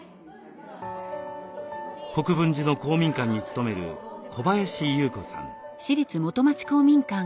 国分寺の公民館に勤める小林佑子さん。